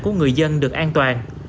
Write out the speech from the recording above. của người dân được an toàn